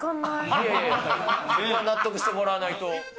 それは納得してもらわないと。